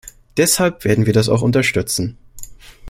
Deshalb werden wir das auch unterstützen.